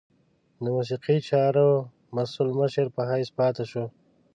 د موسیقي چارو مسؤل مشر په حیث پاته شو.